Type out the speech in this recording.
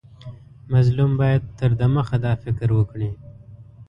مظلوم باید تر دمخه دا فکر وکړي.